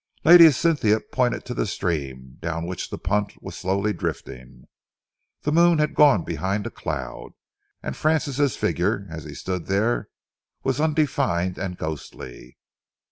Lady Cynthia pointed to the stream, down which the punt was slowly drifting. The moon had gone behind a cloud, and Francis' figure, as he stood there, was undefined and ghostly.